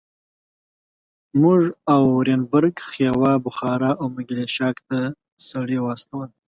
موږ اورینبرګ، خیوا، بخارا او منګیشلاک ته سړي واستول.